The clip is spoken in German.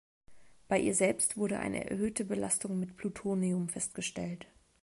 Bei ihr selbst wurde eine erhöhte Belastung mit Plutonium festgestellt.